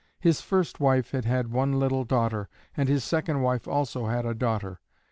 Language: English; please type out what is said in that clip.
His first wife had had one little daughter, and his second wife also had a daughter.